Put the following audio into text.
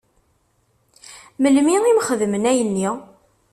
Melmi i m-xedmen ayenni?